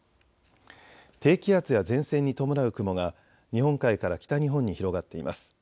低気圧や前線に伴う雲が日本海から北日本に広がっています。